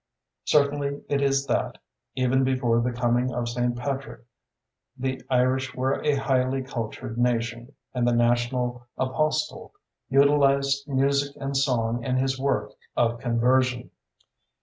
Certain it is that, even before the coming of St. Patrick, the Irish were a highly cultured nation, and the national Apostle utilized music and song in his work of conversion.